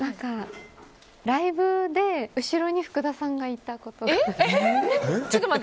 ライブで後ろに福田さんがいたことが。